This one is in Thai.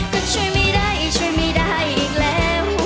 ก็ช่วยไม่ได้ช่วยไม่ได้อีกแล้ว